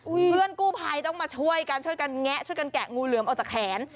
เพื่อนกู้ภัยต้องมาช่วยกันช่วยกันแงะช่วยกันแกะงูเหลือมออกจากแขน